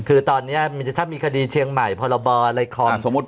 คือตอนนี้ถ้ามีคดีเชียงใหม่พรบอะไรคอมสมมุติ